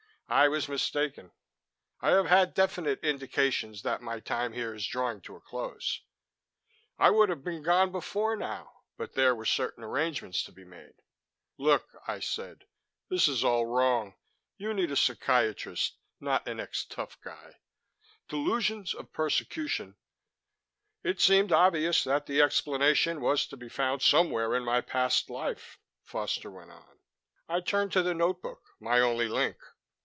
I was mistaken. I have had definite indications that my time here is drawing to a close. I would have been gone before now, but there were certain arrangements to be made." "Look," I said. "This is all wrong. You need a psychiatrist, not an ex tough guy. Delusions of persecution " "It seemed obvious that the explanation was to be found somewhere in my past life," Foster went on. "I turned to the notebook, my only link.